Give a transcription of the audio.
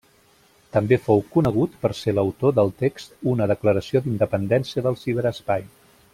També fou conegut per ser l'autor del text Una declaració d'independència del ciberespai.